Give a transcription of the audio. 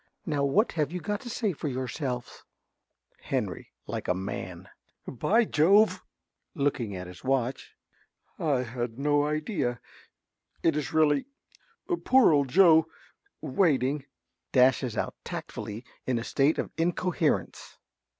Now what have you got to say for yourselves? ~Henry~ (like a man). By Jove! (Looking at his watch.) I had no idea is it really poor old Joe waiting (_Dashes out tactfully in a state of incoherence.